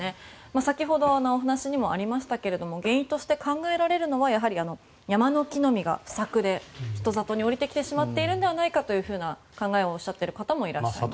先ほど話にもありましたが原因として考えられるのはやはり山の木の実が不作で人里に下りてきてしまってるんではないかという考えをおっしゃっている方もいらっしゃいました。